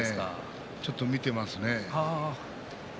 ちょっと見ていますね。